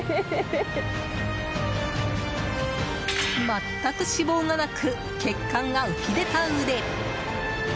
全く脂肪がなく血管が浮き出た腕。